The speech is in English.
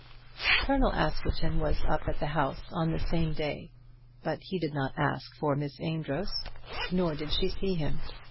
Colonel Askerton was up at the house on the same day, but he did not ask for Miss Amedroz, nor did she see him.